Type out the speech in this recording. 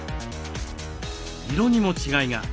色にも違いが。